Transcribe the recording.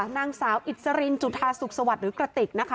นางสาวอิชรินจุธาสุขศาวัตร์หรือกะติก